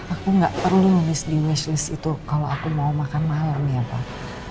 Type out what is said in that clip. aku nggak perlu nulis di wish wis itu kalau aku mau makan malam nih ya pak